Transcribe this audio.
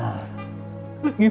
lagi pergi dulu